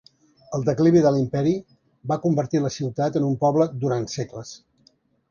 El declivi de l'imperi va convertir la ciutat en un poble durant segles.